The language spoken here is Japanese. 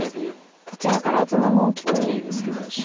どちらから打つのも大きく見えますね。